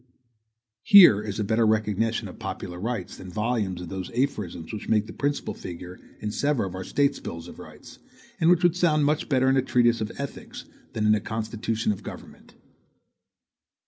Here is a better recognition of popular rights, than volumes of those aphorisms which make the principal figure in several of our State bills of rights, and which would sound much better in a treatise of ethics than in a constitution of government.